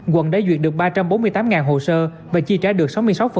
quận đã duyệt được ba trăm bốn mươi tám hồ sơ và chi trả được sáu mươi sáu